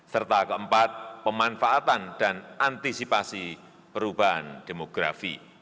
serta keempat pemanfaatan dan antisipasi perubahan demografi